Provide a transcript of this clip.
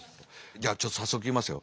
じゃあちょっと早速いきますよ。